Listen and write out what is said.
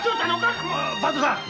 番頭さん！